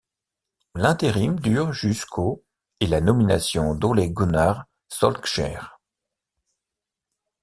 L'intérim dure jusqu'au et la nomination d'Ole Gunnar Solskjær.